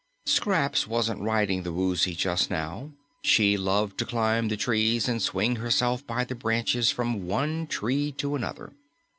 Scraps wasn't riding the Woozy just now. She loved to climb the trees and swing herself by the branches from one tree to another.